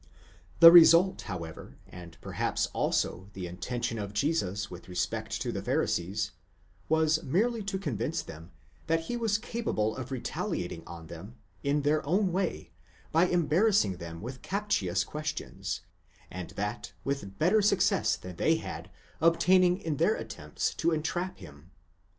2° The result, however, and perhaps also the intention of Jesus with respect to the Pharisees, was merely to convince them that he was capable of retaliating on them, in their own way, by embarrassing them with captious questions, and that with better success than they had obtained in their attempts to entrap him.